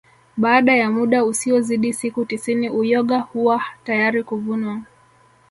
Baada ya muda usiozidi siku tisini uyoga huwa tayari kuvunwa